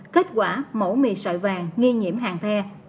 kết quả mẫu mì sọi vàng nghi nhiễm hàng the